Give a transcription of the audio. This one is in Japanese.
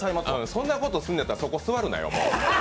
そんなことすんやったらそこ座るなよ。